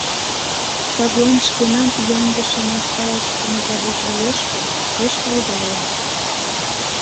Садлан шкенан ӱяҥдыше наста ыштыме завод лиеш гын, пеш пайдале.